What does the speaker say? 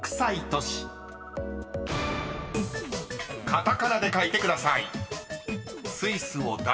［カタカナで書いてください］